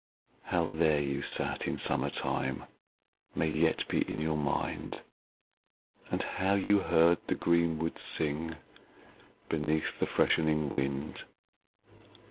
How there you sat in summer time, May yet be in your mind; And how you heard the green woods sing Beneath the freshening wind.